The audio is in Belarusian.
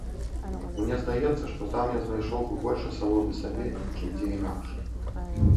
Мне здаецца, што там я знайшоў бы больш асалоды сабе, чым дзе інакш.